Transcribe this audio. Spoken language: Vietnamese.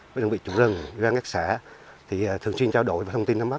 với đơn vị chủ rừng ủy ban các xã thì thường xuyên trao đổi và thông tin tham mắc